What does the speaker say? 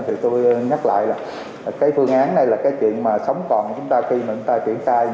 thì tôi nhắc lại là cái phương án này là cái chuyện mà sống còn của chúng ta khi mà chúng ta chuyển tay